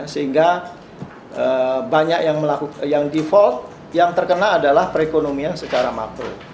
sehingga banyak yang default yang terkena adalah perekonomian secara makro